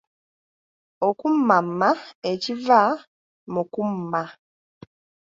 Okummamma ekiva mu kumma.